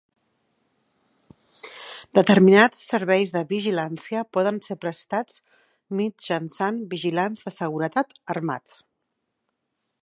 Determinats serveis de vigilància poden ser prestats mitjançant vigilants de seguretat armats.